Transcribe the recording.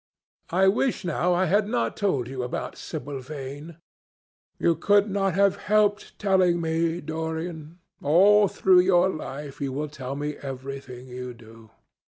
"I wish now I had not told you about Sibyl Vane." "You could not have helped telling me, Dorian. All through your life you will tell me everything you do."